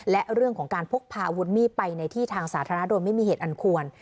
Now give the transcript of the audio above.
และเรื่องของการพกพาอาวุธมีดไปในที่ทางสาธารณะโดยไม่มีเหตุอันควร